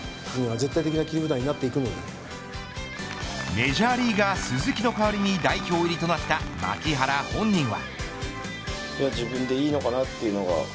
メジャーリーガー鈴木の代わりに代表入りとなった牧原本人は。